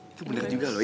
itu bener juga loh